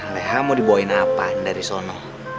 leha mau dibawain apa dari sana